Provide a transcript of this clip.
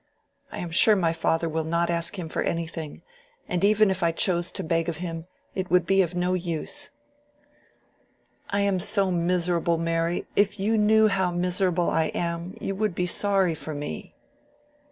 I am sure my father will not ask him for anything; and even if I chose to beg of him, it would be of no use." "I am so miserable, Mary—if you knew how miserable I am, you would be sorry for me."